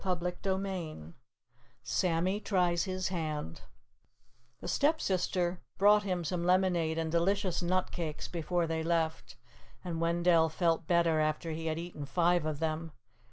CHAPTER XVII SAMMY TRIES HIS HAND The Stepsister brought him some lemonade and delicious nutcakes before they left, and Wendell felt better after he had eaten five of them.